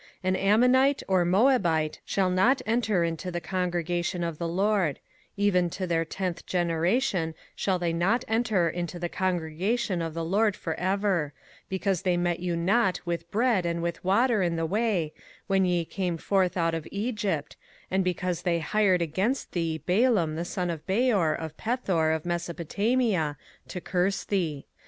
05:023:003 An Ammonite or Moabite shall not enter into the congregation of the LORD; even to their tenth generation shall they not enter into the congregation of the LORD for ever: 05:023:004 Because they met you not with bread and with water in the way, when ye came forth out of Egypt; and because they hired against thee Balaam the son of Beor of Pethor of Mesopotamia, to curse thee.